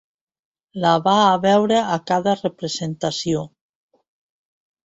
La va a veure a cada representació.